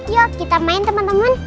yuk kita main temen temen